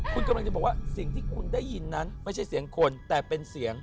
คุณกำลังจะบอกว่าสิ่งที่คุณได้ยินนั้นไม่ใช่เสียงคนแต่เป็นเสียง